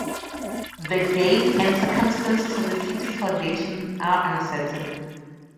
The date and circumstances of the city's foundation are uncertain.